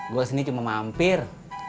gue sini cuma mampir